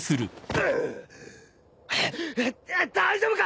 だ大丈夫か！？